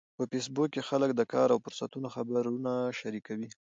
په فېسبوک کې خلک د کار او فرصتونو خبرونه شریکوي